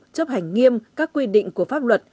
chấp hành nghiêm các quy định của pháp luật